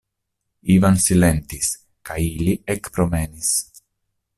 Ivan silentis kaj ili ekpromenis.